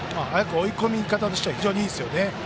追い込み方としてはいいですね。